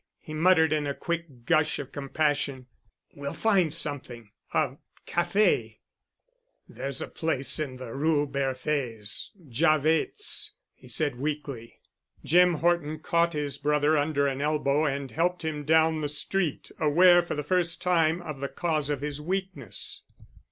he muttered in a quick gush of compassion. "We'll find something—a café——" "There's a place in the Rue Berthe—Javet's," he said weakly. Jim Horton caught his brother under an elbow and helped him down the street, aware for the first time of the cause of his weakness.